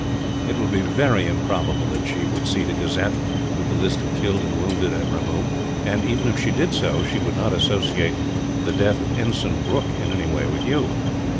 It would be very improbable that she would see the gazette, with the list of killed and wounded at Ramoo and, even if she did so, she would not associate the death of Ensign Brooke in any way with you.